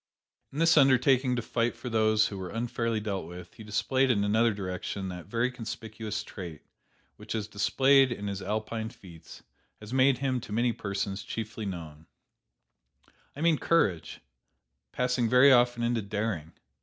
"In this undertaking to fight for those who were unfairly dealt with, he displayed in another direction that very conspicuous trait which, as displayed in his Alpine feats, has made him to many persons chiefly known: I mean courage, passing very often into daring.